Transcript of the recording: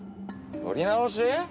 撮り直し？